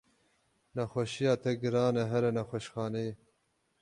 Nexweşiya te giran e here nexweşxaneyê.